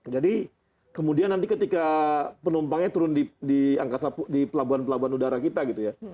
jadi kemudian nanti ketika penumpangnya turun di pelabuhan pelabuhan udara kita gitu ya